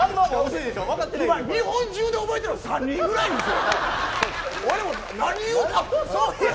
日本中で覚えてるの３人ぐらいですよ。